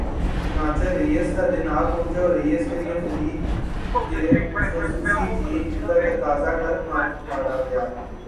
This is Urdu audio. چناچہ ریس کا دن آپہنچا اور ریس کے لیے خرید گ خصوصی ج کا ٹیکہ تک نا اکھاڑا گیا